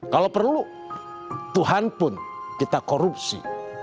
kalau perlu tuhan pun kita korupsi